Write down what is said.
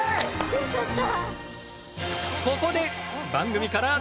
よかった。